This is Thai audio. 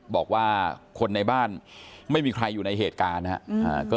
บอกว่าคนในบ้านไม่มีใครอยู่ในเหตุการณ์นะครับ